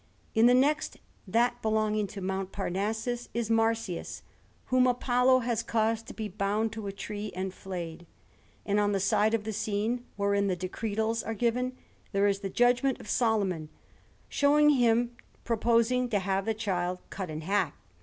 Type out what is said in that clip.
In the next, that belonging to Mount Parnassus, is Marsyas, whom Apollo has caused to be bound to a tree and flayed; and on the side of the scene wherein the Decretals are given, there is the Judgment of Solomon, showing him proposing to have the child cut in half.